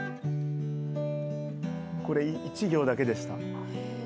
これ１行だけでした。